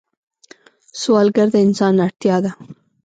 سوالګر د انسان اړتیا ده